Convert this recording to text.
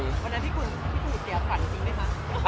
พี่กูเตียวขวัญจริงไหมคะ